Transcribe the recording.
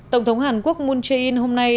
tổng thống hàn quốc moon jae in hôm nay